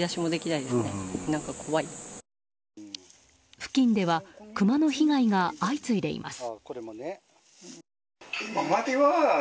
付近ではクマの被害が相次いでいます。